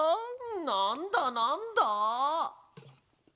なんだなんだ？